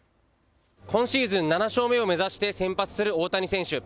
今シーズン７勝目を目指して先発する大谷選手。